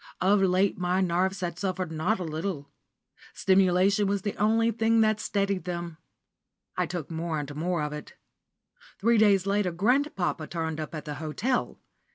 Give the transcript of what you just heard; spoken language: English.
Of late my nerves had suffered not a little. Stimulant was the only thing that steadied them. I took more and more of it. Three days later grandpapa turned up at the hotel.